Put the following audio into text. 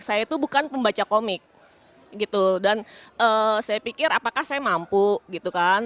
saya itu bukan pembaca komik gitu dan saya pikir apakah saya mampu gitu kan